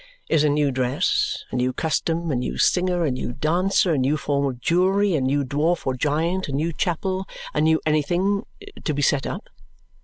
Is a new dress, a new custom, a new singer, a new dancer, a new form of jewellery, a new dwarf or giant, a new chapel, a new anything, to be set up?